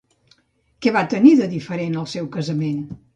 Què va tenir, de diferent, el seu casament?